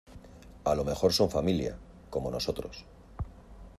a lo mejor son familia, como nosotros.